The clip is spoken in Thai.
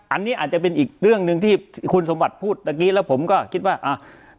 อันนี้อาจจะเป็นอีกเรื่องหนึ่งที่คุณสมบัติพูดเมื่อกี้แล้วผมก็คิดว่าอ่า